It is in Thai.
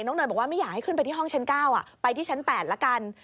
เนยบอกว่าไม่อยากให้ขึ้นไปที่ห้องชั้น๙ไปที่ชั้น๘ละกัน